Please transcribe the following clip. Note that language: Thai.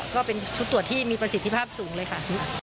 ก็เป็นชุดตรวจที่มีประสิทธิภาพสูงเลยค่ะ